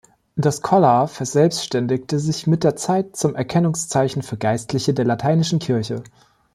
Das Kollar verselbständigte sich mit der Zeit zum Erkennungszeichen für Geistliche der lateinischen Kirche.